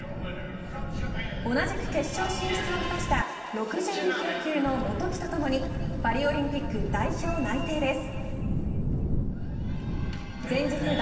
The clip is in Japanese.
同じく決勝進出を果たした６２キロ級の元木と共にパリオリンピック代表内定です。